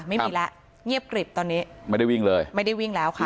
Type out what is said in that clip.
ไม่มีแล้วเงียบกริบตอนนี้ไม่ได้วิ่งเลยไม่ได้วิ่งแล้วค่ะ